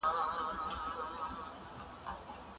د هوسا ټولني جوړول یوازې د حکومت دنده نه ده.